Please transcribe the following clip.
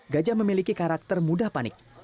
gajah memiliki karakter mudah panik